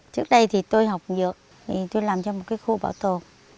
trước đây thì tôi học dược tôi làm trong một khu bảo tồn